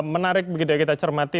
menarik begitu ya kita cermati